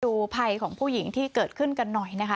ภัยของผู้หญิงที่เกิดขึ้นกันหน่อยนะคะ